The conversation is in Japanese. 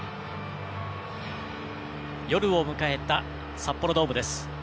夜を迎えた札幌ドームです。